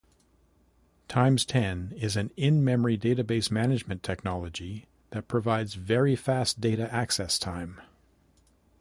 TimesTen is an in-memory database management technology that provides very fast data access time.